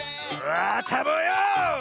あたぼうよ！